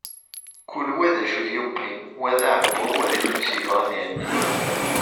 Kul wa acu i t-yewwin, wa d aɛebbuḍ, wa d ixef-is yebɣa ad t-ihenni.